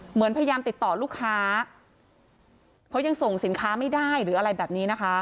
เหมือนพยายามติดต่อลูกค้าเพราะยังส่งสินค้าไม่ได้หรืออะไรแบบนี้นะคะ